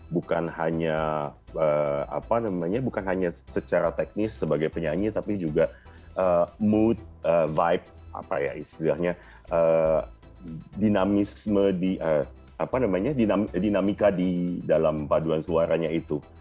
bukan hanya bukan hanya secara teknis sebagai penyanyi tapi juga mood vibe apa ya istilahnya dinamisme dinamika di dalam paduan suaranya itu